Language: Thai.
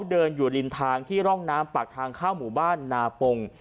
เดินอยู่ลิงทางที่ร่องน้ำปากทางเข้ามุบ่านภรรที่หน้าโปง